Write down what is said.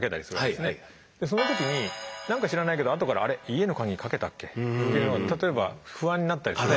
その時になんか知らないけどあとから「あれ？家の鍵かけたっけ」って例えば不安になったりする。